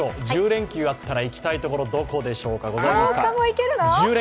１０連休あったら行きたいところ、どこでしょうか。